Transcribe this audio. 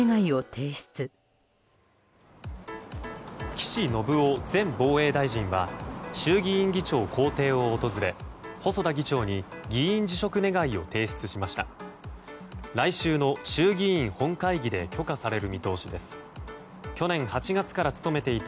岸信夫前防衛大臣は衆議院議長公邸を訪れ細田議長に議員辞職願を提出しました。